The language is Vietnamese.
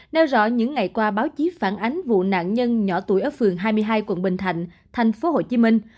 nêu rõ những ngày qua báo chí phản ánh vụ nạn nhân nhỏ tuổi ở phường hai mươi hai quận bình thạnh thành phố hồ chí minh